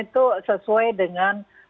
itu sesuai dengan